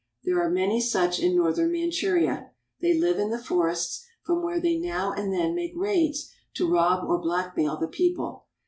There are many such in northern Manchuria. They live in the forests, from where they now and then make raids to rob or blackmail the people.